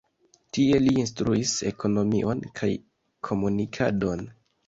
Tie li instruis ekonomion kaj komunikadon.